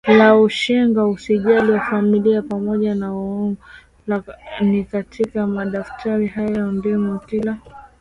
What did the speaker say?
la ushenga usajili wa familia pamoja na ukoo ni katika madaftari hayo ndimo kila